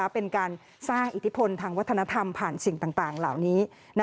เป็นการสร้างอิทธิพลทางวัฒนธรรมผ่านสิ่งต่างเหล่านี้